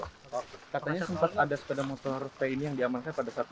katanya sempat ada sepeda motor pin yang diamankan pada saat dua ribu enam belas